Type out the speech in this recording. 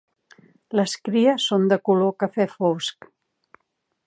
Les cries són de color cafè fosc.